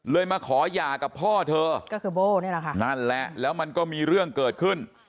เลยมาขอหย่ากับพ่อเธอนั่นแหละแล้วมันก็มีเรื่องเกิดขึ้น